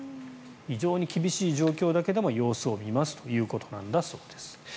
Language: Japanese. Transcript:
非常に厳しい状況だけれども様子を見るということなんだそうです。